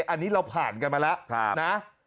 อันนี้เราผ่านกันมาแล้วนะ